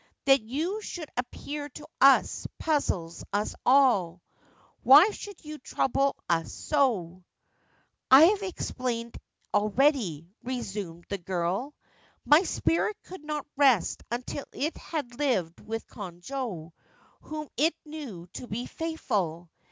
That you should appear to us puzzles us all. Why should you trouble us so ?'' 1 have explained already,' resumed the girl. ' My spirit could not rest until it had lived with Konojo, whom it knew to be faithful.